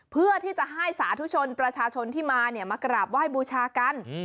เพื่อที่จะให้สาธุชนประชาชนที่มาเนี่ยมากราบไหว้บูชากัน